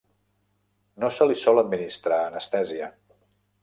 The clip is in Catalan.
No se li sol administrar anestèsia.